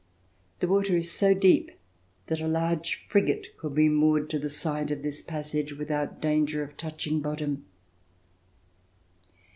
The water is so deep that a large frigate could be moored to the side of this passage without danger of touching bottom.